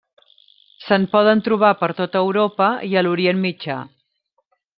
Se'n poden trobar per tota Europa i a l'Orient Mitjà.